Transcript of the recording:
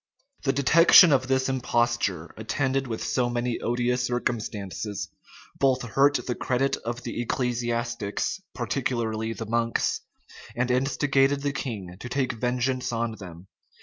} The detection of this imposture, attended with so many odious circumstances, both hurt the credit of the ecclesiastics, particularly the monks, and instigated the king to take vengeance on them.